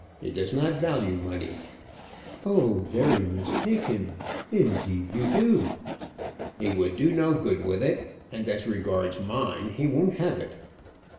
He does not value money." "Oh, there you mistake him; indeed, you do." "He would do no good with it; and, as regards mine, he won't have it."